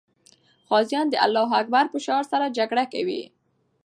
غازیان د الله اکبر په شعار سره جګړه کوي.